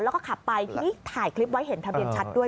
แล้วก็ขับไปทีนี้ถ่ายคลิปไว้เห็นทะเบียนชัดด้วย